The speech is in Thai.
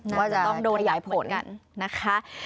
น่าจะต้องโดนใหญ่ผลกันนะคะ